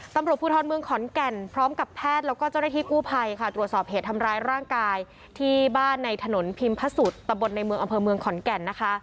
ตำรวจภูทรเมืองขอนแก่นพร้อมกับแพทย์แล้วก็เจ้าหน้าที่กู้ภัยค่ะตรวจสอบเหตุทำร้ายร่างกายที่บ้านในถนนพิมพสุดตะบนในเมืองอำเภอเมืองขอนแก่นนะคะ